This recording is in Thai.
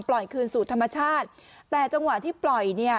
คืนสู่ธรรมชาติแต่จังหวะที่ปล่อยเนี่ย